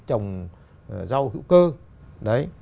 trồng rau hữu cơ